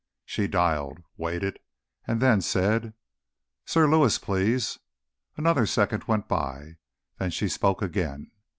She dialed, waited and then said, "Sir Lewis, please." Another second went by. Then she spoke again.